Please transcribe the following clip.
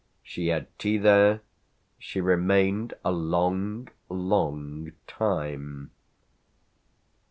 She had tea there; she remained a long, long time."